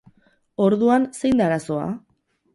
Orduan, zein da arazoa?